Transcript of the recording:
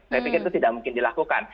saya pikir itu tidak mungkin dilakukan